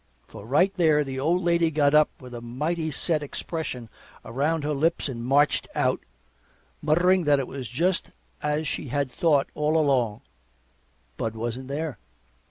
For right there the old lady got up with a mighty set expression around her lips and marched out, muttering that it was just as she had thought all along Bud wasn't there.